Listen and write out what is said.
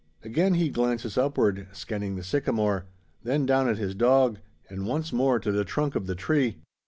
Again he glances upward, scanning the sycamore: then down at his dog; and once more to the trunk of the tree.